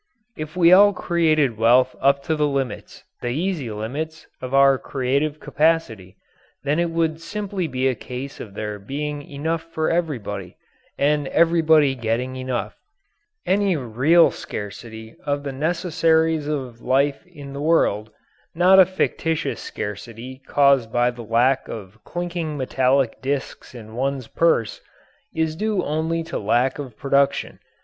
If we all created wealth up to the limits, the easy limits, of our creative capacity, then it would simply be a case of there being enough for everybody, and everybody getting enough. Any real scarcity of the necessaries of life in the world not a fictitious scarcity caused by the lack of clinking metallic disks in one's purse is due only to lack of production.